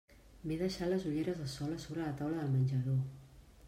M'he deixat les ulleres de sol a sobre la taula del menjador.